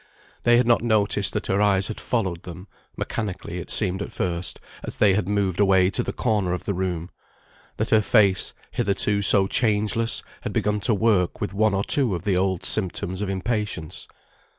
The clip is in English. They had not noticed that her eyes had followed them (mechanically it seemed at first) as they had moved away to the corner of the room; that her face, hitherto so changeless, had begun to work with one or two of the old symptoms of impatience.